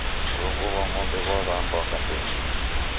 Mrongo ghwa ng'ombe ghwaw'ambwa ngandenyi.